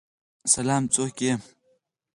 سلام، څوک یی؟